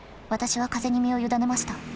私は風に身を委ねました。